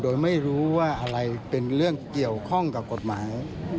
โดยไม่รู้ว่าอะไรเป็นเรื่องเกี่ยวข้องกับกฎหมาย